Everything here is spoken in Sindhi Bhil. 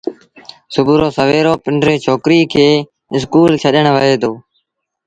سُڀو رو سويرو پنڊري ڇوڪري کي اسڪول ڇڏڻ وهي دو۔